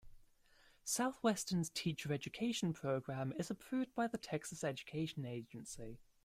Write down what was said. Southwestern's Teacher Education Program is approved by the Texas Education Agency.